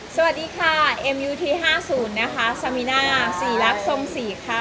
สวัสดีค่ะเอ็มยูที่ห้าศูนย์นะคะสามีนาสี่ลักษณ์สองสี่ค่ะ